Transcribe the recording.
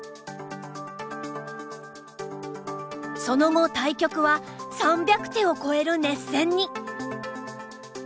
その後対局は３００手を超える熱戦に。